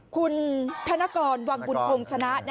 คุณธนกรวังบุญคงชนะ